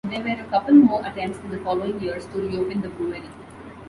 There were a couple more attempts in the following years to reopen the brewery.